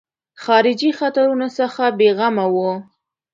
خارجي خطرونو څخه بېغمه وو.